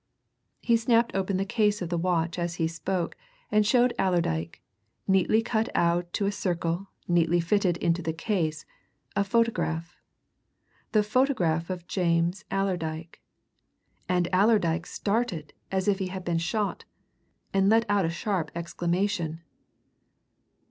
He snapped open the case of the watch as he spoke and showed Allerdyke, neatly cut out to a circle, neatly fitted into the case, a photograph the photograph of James Allerdyke! And Allerdyke started as if he had been shot, and let out a sharp exclamation.